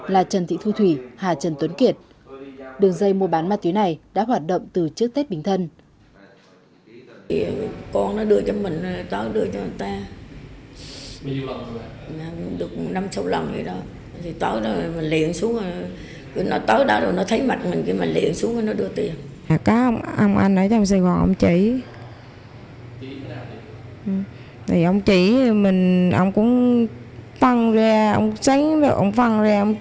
là trần thị thu thủy hà trần tuấn kiệt đường dây mua bán ma túy này đã hoạt động từ trước tết bình thân